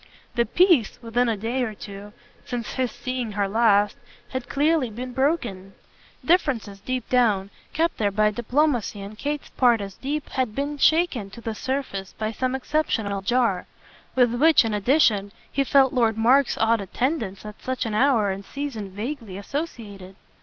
The peace, within a day or two since his seeing her last had clearly been broken; differences, deep down, kept there by a diplomacy on Kate's part as deep, had been shaken to the surface by some exceptional jar; with which, in addition, he felt Lord Mark's odd attendance at such an hour and season vaguely associated.